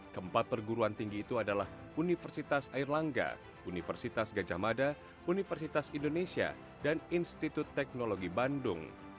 keempat perguruan tinggi itu adalah universitas airlangga universitas gajah mada universitas indonesia dan institut teknologi bandung